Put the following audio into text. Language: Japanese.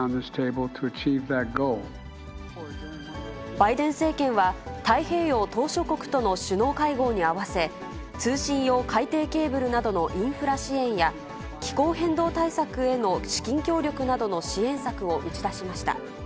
バイデン政権は、太平洋島しょ国との首脳会合に合わせ、通信用海底ケーブルなどのインフラ支援や、気候変動対策への資金協力などの支援策を打ち出しました。